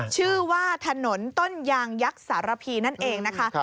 ชื่อว่าถนนต้นยางยักษ์สารพีนั่นเองนะคะ